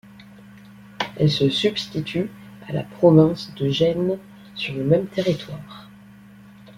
Elle se substitue à la province de Gênes sur le même territoire.